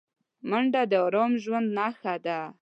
منډه د ارام ژوند نښه ده